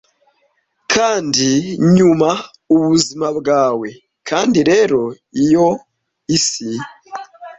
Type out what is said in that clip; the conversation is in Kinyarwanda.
Kandi, nyuma, ubuzima bwawe. Kandi rero, iyo isi